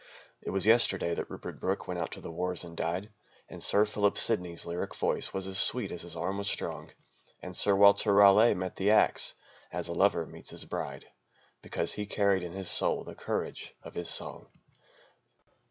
It was yesterday that Rupert Brooke went out to the Wars and died, And Sir Philip Sidney's lyric voice was as sweet as his arm was strong; And Sir Walter Raleigh met the axe as a lover meets his bride, Because he carried in his soul the courage of his song.